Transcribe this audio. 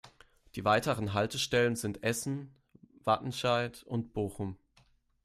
Die weiteren Haltestellen sind Essen, Wattenscheid und Bochum.